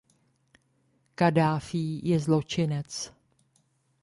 Kaddáfí je zločinec.